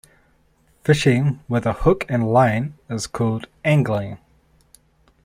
Fishing with a hook and line is called angling.